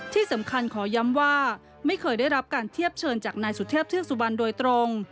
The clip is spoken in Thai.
ที่สำคัญขอย้ำว่าไม่เคยได้รับการเทียบเชิญจากนายสุเทพเทือกสุบันโดยตรง